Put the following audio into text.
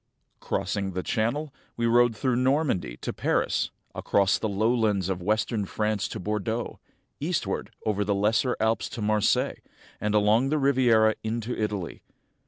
Crossing the Channel, we rode through Normandy to Paris, across the lowlands of western France to Bordeaux, eastward over the Lesser Alps to Marseilles, and along the Riviera into Italy.